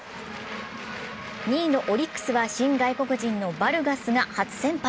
２位のオリックスは新外国人のバルガスが初先発。